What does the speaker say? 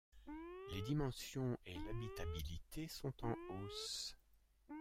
Les dimensions et l'habitabilité sont en hausse.